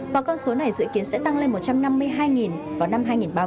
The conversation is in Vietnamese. và con số này dự kiến sẽ tăng lên một trăm năm mươi hai vào năm hai nghìn ba mươi